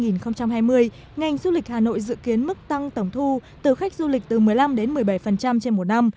ngành du lịch hà nội dự kiến mức tăng tổng thu từ khách du lịch từ một mươi năm đến một mươi bảy trên một năm